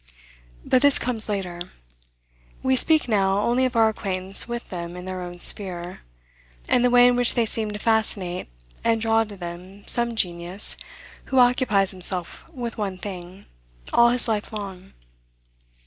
But this comes later. We speak now only of our acquaintance with them in their own sphere, and the way in which they seem to fascinate and draw to them some genius who occupies himself with one thing, all his life long.